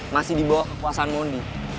masih di bawah kekuasaan mondi